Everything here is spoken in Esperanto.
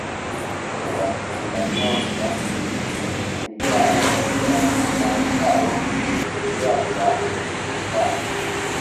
Ĝi situas en la norda deklivaro de la montaro Sierra Nevada.